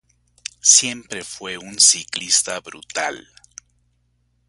Siempre fue un ciclista brutal.